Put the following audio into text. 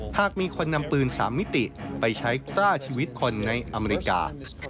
หากมีคนนำปืน๓มิติไปใช้กล้าชีวิตคนในอเมริกา